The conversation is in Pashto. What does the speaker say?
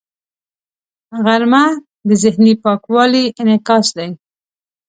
غرمه د ذهني پاکوالي انعکاس دی